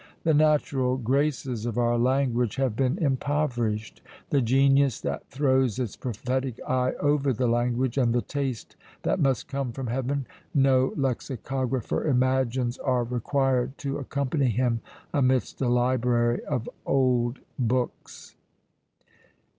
The natural graces of our language have been impoverished. The genius that throws its prophetic eye over the language, and the taste that must come from Heaven, no lexicographer imagines are required to accompany him amidst a library of old books!